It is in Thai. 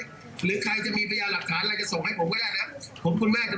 หรือใครจะมีพยาบาลหลักฐานอะไรจะส่งให้ผมก็ได้นะครับ